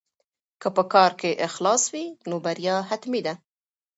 که په کار کې اخلاص وي نو بریا حتمي ده.